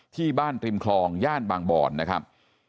ที่บ้านริมคลองย่านบางบอนนะครับ